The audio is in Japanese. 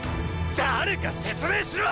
誰か説明しろ！